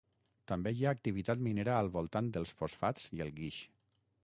També hi ha activitat minera al voltant dels fosfats i el guix.